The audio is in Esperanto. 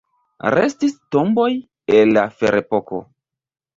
Restis tomboj el la ferepoko.